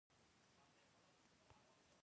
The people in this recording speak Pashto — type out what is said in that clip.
کانت وویل نه د بوډاګانو همدا ستره اشتباه ده.